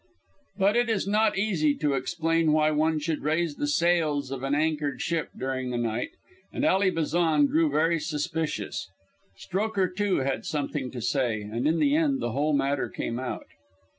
But it is not easy to explain why one should raise the sails of an anchored ship during the night, and Ally Bazan grew very suspicious. Strokher, too, had something to say, and in the end the whole matter came out.